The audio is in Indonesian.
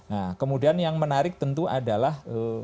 nah kemudian yang menarik tentu adalah